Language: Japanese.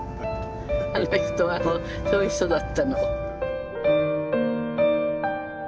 あの人はそういう人だったの。